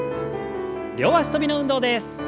両脚跳びの運動です。